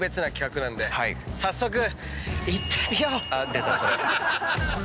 出たそれ。